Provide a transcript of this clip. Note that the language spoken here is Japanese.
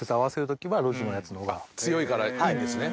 強いからいいんですね。